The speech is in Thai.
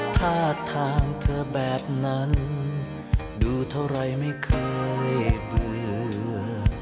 ท่าทางเธอแบบนั้นดูเท่าไรไม่เคยเบื่อ